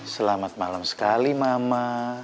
selamat malam sekali mama